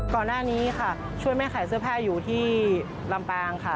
ก่อนหน้านี้ค่ะช่วยแม่ขายเสื้อผ้าอยู่ที่ลำปางค่ะ